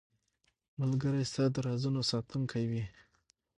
ملګری ستا د رازونو ساتونکی وي.